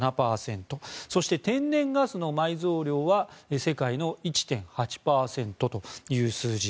そして、天然ガスの埋蔵量は世界の１．８％という数字。